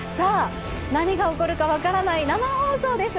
何が起こるか分からない生放送です。